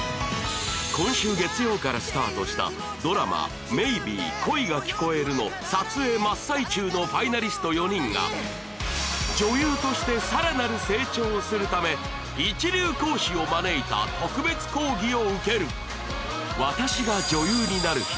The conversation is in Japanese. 今週月曜からスタートしたドラマ「Ｍａｙｂｅ恋が聴こえる」の撮影真っ最中のファイナリスト４人が女優としてさらなる成長をするため一流講師を招いた特別講義を受ける「私が女優になる日」